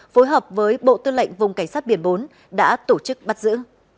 phối hợp với bộ tư lệnh vùng cảnh sát biển bốn đã tổ chức bắt giữ